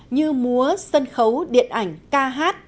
như múa sân khấu điện ảnh ca hát